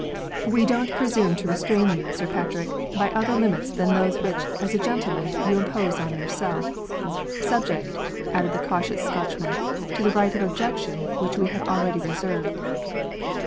"We don't presume to restrain you, Sir Patrick, by other limits than those which, as a gentleman, you impose on yourself. Subject," added the cautious Scotchman, "to the right of objection which we have already reserved."